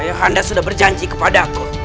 ayah anda sudah berjanji kepada aku